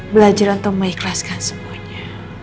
belajar untuk mengikhlaskan semuanya